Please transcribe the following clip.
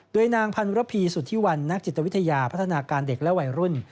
โดยนางพันรพีสุธิวันนักจิตวิทยาพัฒนาการเด็กและวัยรุ่น